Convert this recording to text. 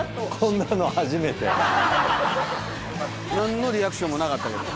なんのリアクションもなかったけど。